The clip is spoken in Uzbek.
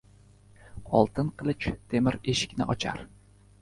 • Oltin qilich temir eshikni ochar.